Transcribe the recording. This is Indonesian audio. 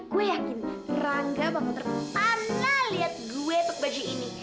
gue yakin rangga bakal terpanah liat gue pek baju ini